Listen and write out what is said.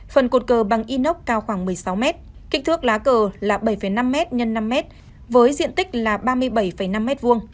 phần cột cờ bằng inox cao khoảng một mươi sáu m kích thước lá cờ là bảy năm m x năm m với diện tích là ba mươi bảy năm m hai